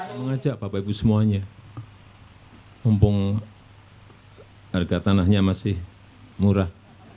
saya mengajak bapak ibu semuanya mumpung harga tanahnya masih murah